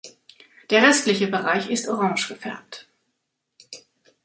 Der restliche Bereich ist orange gefärbt.